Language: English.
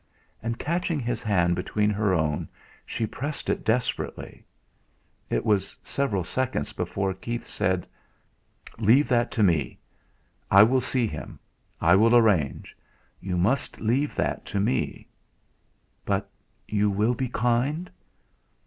And catching his hand between her own, she pressed it desperately. It was several seconds before Keith said: "Leave that to me. I will see him. I shall arrange. You must leave that to me." "But you will be kind?"